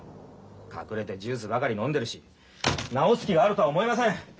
隠れてジュースばかり飲んでるし治す気があるとは思えません。